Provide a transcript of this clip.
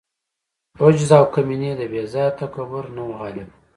عجز او کمیني د بې ځای تکبر نه وه غالبه.